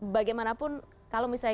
bagaimanapun kalau misalnya